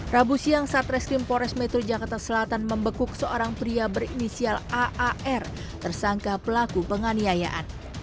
rabu siang satreskrim pores metro jakarta selatan membekuk seorang pria berinisial aar tersangka pelaku penganiayaan